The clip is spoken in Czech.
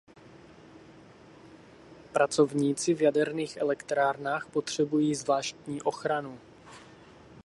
Pracovníci v jaderných elektrárnách potřebují zvláštní ochranu.